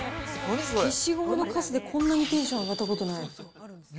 消しゴムのカスでこんなにテンション上がったことない。